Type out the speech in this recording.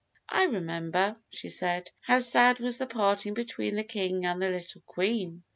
"I remember," she said, "how sad was the parting between the King and the little Queen!